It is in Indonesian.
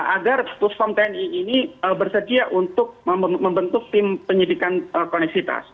agar puspom tni ini bersedia untuk membentuk tim penyidikan koneksitas